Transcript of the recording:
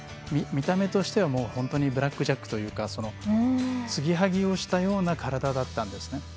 見た目としてはブラックジャックというかつぎはぎをしたような体だったんですね。